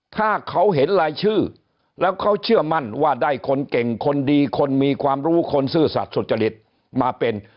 ถ้าเขาเห็นรายชื่อแล้วเขาเชื่อมั่นว่าได้คนเก่งคนดีคนมีความรู้คนซื่อสัตว์สุจริตมาเป็น